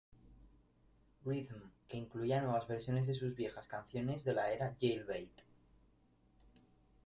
Rhythm" que incluía nuevas versiones de sus viejas canciones de la era "Jail Bait".